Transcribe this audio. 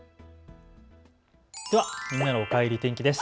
ではみんなのおかえり天気です。